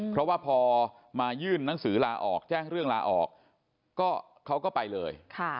เพราะว่าพอมายื่นหนังสือลาออกแจ้งเรื่องลาออกก็เขาก็ไปเลย